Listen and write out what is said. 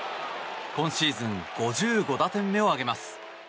今シーズン５５打点目を挙げます。